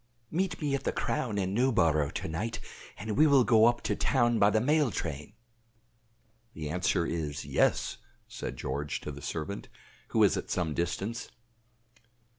Meet me at 'The Crown,' in Newborough, to night, and we will go up to Town by the mail train." "The answer is, Yes," said George to the servant, who was at some distance.